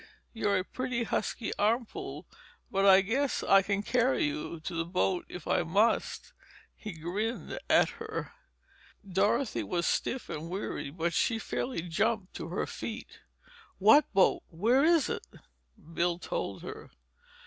You're a pretty husky armful, but I guess I can carry you to the boat if I must." He grinned at her. Dorothy was stiff and weary but she fairly jumped to her feet. "What boat? Where is it?" Bill told her.